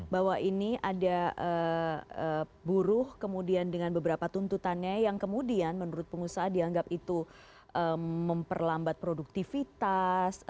bahwa ini ada buruh kemudian dengan beberapa tuntutannya yang kemudian menurut pengusaha dianggap itu memperlambat produktivitas